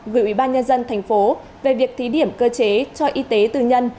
gửi ủy ban nhân dân tp hcm về việc thí điểm cơ chế cho y tế tư nhân